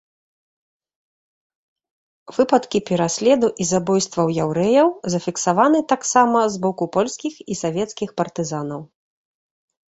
Выпадкі пераследу і забойстваў яўрэяў зафіксаваны таксама з боку польскіх і савецкіх партызанаў.